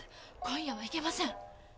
今夜はいけません。